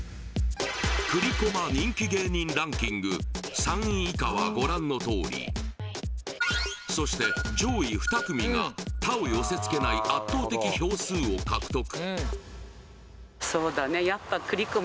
栗駒人気芸人ランキング３位以下はご覧のとおりそして上位２組が他を寄せつけない圧倒的票数を獲得